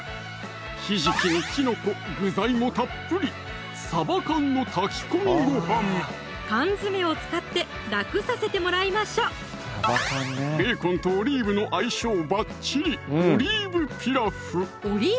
ひじきにきのこ具材もたっぷり缶詰を使って楽させてもらいましょベーコンとオリーブの相性ばっちりオリーブでピラフ？